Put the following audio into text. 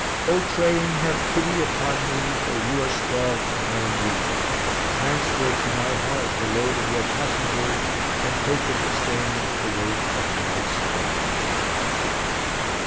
O Train! have pity upon me For you are strong and I am weak, Transfer to my heart the load of your passengers And take in exchange the weight of my sorrows.